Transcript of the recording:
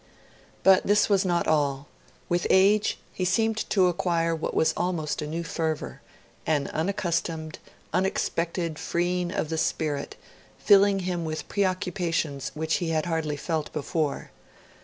But this was not all; with age, he seemed to acquire what was almost a new fervour, an unaccustomed, unexpected, freeing of the spirit, filling him with preoccupations which he had hardly felt before.